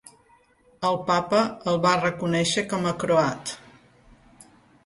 El Papa el va reconèixer com a croat.